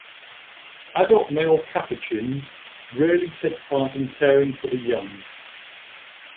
Adult male capuchins rarely take part in caring for the young.